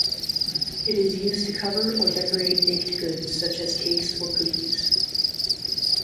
It is used to cover or decorate baked goods, such as cakes or cookies.